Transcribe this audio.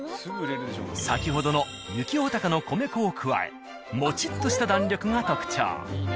先ほどの雪ほたかの米粉を加えもちっとした弾力が特徴。